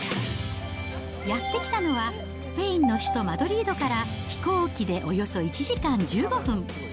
やって来たのは、スペインの首都マドリードから飛行機でおよそ１時間１５分。